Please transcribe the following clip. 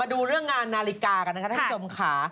ดูเรื่องงานนาฬิกากันนะคะท่านผู้ชมค่ะ